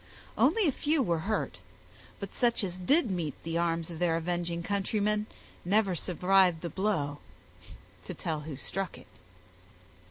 Only a few were hurt; but such as did meet the arms of their avenging countrymen never survived the blow, to tell who struck it.